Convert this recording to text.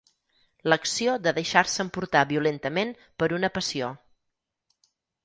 L'acció de deixar-se emportar violentament per una passió.